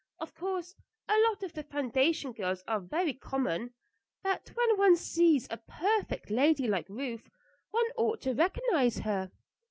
Of course, a lot of the foundation girls are very common; but when one sees a perfect lady like Ruth one ought to recognize her."